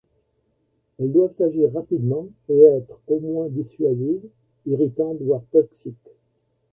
Elles doivent agir rapidement et être au moins dissuasives, irritantes voire toxiques.